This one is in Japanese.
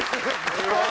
すごい！